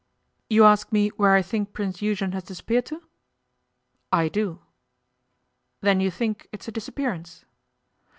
'You ask me where I think Prince Eugen has disappeared to?' 'I do.' 'Then you think it's a disappearance?